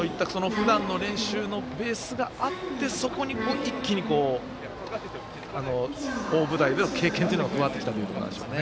ふだんの練習のベースがあったそこに一気に大舞台での経験が加わってきたということでしょうね。